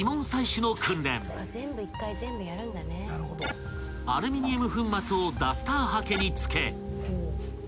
［アルミニウム粉末をダスターハケに付け］